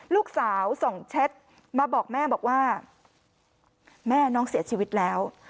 ลูกสาวส่งแชทมาบอกแม่บอกว่าแม่น้องเสียชีวิตแล้ว